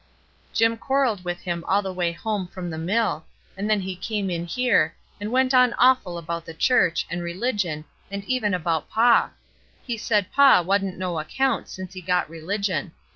Jim quarrelled with him all the way home from the mill, and then he come in here, and went on awful about the church, and religion, and 260 '* WOULDN'T YOU?" 261 even about paw ; he said paw wa'n't no account since he had got religion.